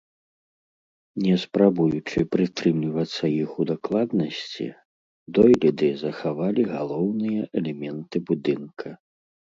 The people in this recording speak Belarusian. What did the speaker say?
Не спрабуючы прытрымлівацца іх у дакладнасці, дойліды захавалі галоўныя элементы будынка.